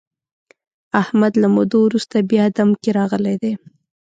احمد له مودو ورسته بیا دم کې راغلی دی.